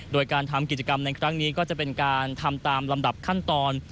โดยการทำกิจกรรมในครั้งนี้ก็จะเป็นการทำตามลำดับขั้นตอน